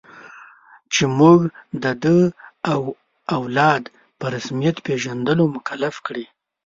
چې موږ د ده او اولاد په رسمیت پېژندلو مکلف کړي.